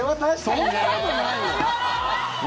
そんなことないよ。